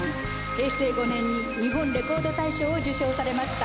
平成５年に『日本レコード大賞』を受賞されました。